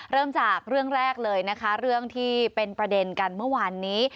เริ่มจากเรื่องแรกเลยนะคะเรื่องที่เป็นประเด็นกันเมื่อวานนี้